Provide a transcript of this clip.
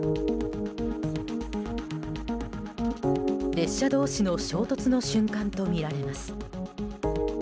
列車同士の衝突の瞬間とみられます。